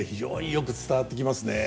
よく伝わってきますね。